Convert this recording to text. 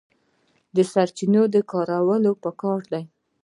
د سرچینو کارول پکار دي